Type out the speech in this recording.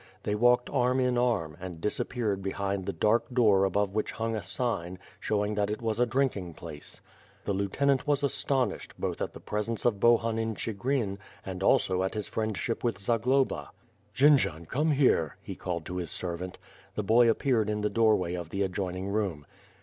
They walked arm in arm, and disappeared behind the dark door above which hung a sign, showing that it was a drinking place. The lieutenant was astonished, both at the presence of Bohun in Chigrin and also at his friendship with Zagloba. "Jendzian, come here,^^ he called to his servant. The boy appeared in the doorway of the adjoining room.